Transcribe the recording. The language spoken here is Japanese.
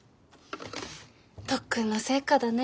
特訓の成果だね。